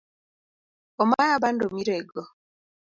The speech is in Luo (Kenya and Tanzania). Omaya bando mirego